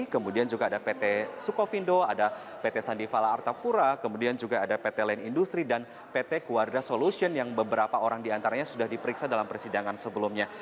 kemudian juga ada pt sukovindo ada pt sandiwala artapura kemudian juga ada pt lain industri dan pt guarda solution yang beberapa orang di antaranya sudah diperiksa dalam persidangan sebelumnya